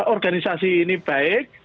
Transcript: organisasi ini baik